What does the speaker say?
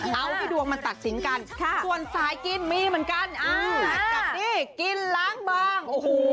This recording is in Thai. เอาเพื่อยิ้ดวงมาตัดสินกันส่วนสายกินมีเหมือนกันเชื่อกลับกินกินหลังบาง